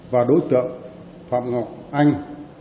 và đối tượng phạm ngọc anh